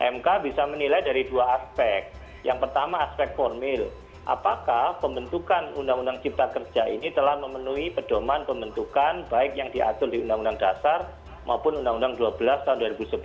mk bisa menilai dari dua aspek yang pertama aspek formil apakah pembentukan undang undang cipta kerja ini telah memenuhi pedoman pembentukan baik yang diatur di undang undang dasar maupun undang undang dua belas tahun dua ribu sebelas